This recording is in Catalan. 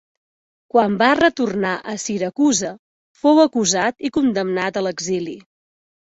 Quan va retornar a Siracusa fou acusat i condemnat a l'exili.